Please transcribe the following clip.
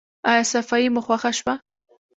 ایا صفايي مو خوښه شوه؟